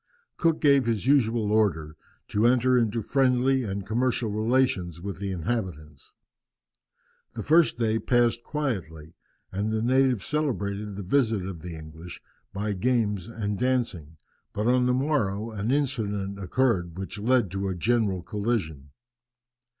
Cook gave his usual order, to enter into friendly and commercial relations with the inhabitants. The first day passed quietly, and the natives celebrated the visit of the English by games and dancing, but on the morrow an incident occurred which led to a general collision.